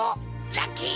ラッキー！